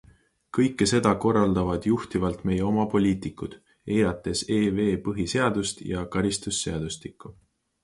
Kõike seda korraldavad juhtivalt meie oma poliitikud, eirates EV põhiseadust ja karistusseadustikku.